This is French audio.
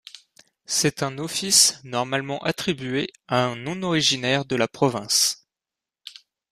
C'est un office normalement attribué à un non-originaire de la province.